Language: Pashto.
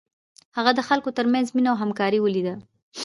هغه د خلکو تر منځ مینه او همکاري ولیده.